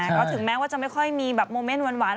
ก็ถึงแม้ว่าจะไม่ค่อยมีแบบโมเมนต์หวาน